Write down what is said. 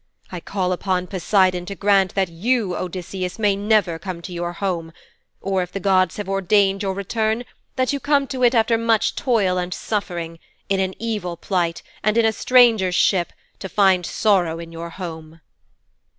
I call upon Poseidon to grant that you, Odysseus, may never come to your home, or if the gods have ordained your return, that you come to it after much toil and suffering, in an evil plight and in a stranger's ship, to find sorrow in your home."'